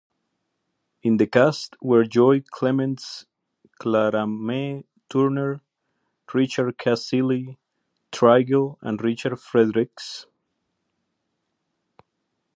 In the cast were Joy Clements, Claramae Turner, Richard Cassilly, Treigle, and Richard Fredricks.